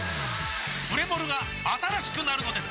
プレモルが新しくなるのです！